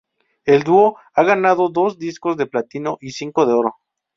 El dúo ha ganado dos discos de platino y cinco de oro.